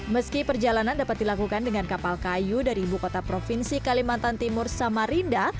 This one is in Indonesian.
meski perjalanan dapat dilakukan dengan kapal kayu dari ibu kota provinsi kalimantan timur samarinda